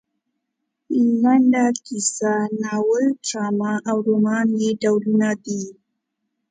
لنډه کیسه ناول ډرامه او رومان یې ډولونه دي.